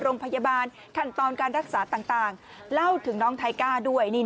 โรงพยาบาลขั้นตอนการรักษาต่างเล่าถึงน้องไทก้าด้วย